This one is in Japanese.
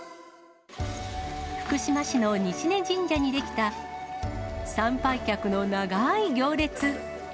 福島市の西根神社に出来た、参拝客の長い行列。